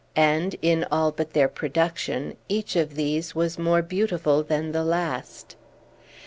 And (in all but their production) each of these was more beautiful than the last.